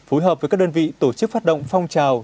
phối hợp với các đơn vị tổ chức phát động phong trào